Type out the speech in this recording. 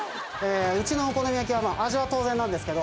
うちのお好み焼きは味は当然なんですけど。